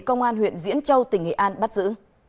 công an huyện diễn châu tỉnh nghệ an bắt giữ